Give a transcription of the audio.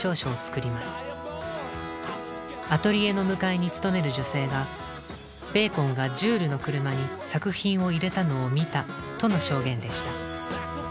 アトリエの向かいに勤める女性が「ベーコンがジュールの車に作品を入れたのを見た」との証言でした。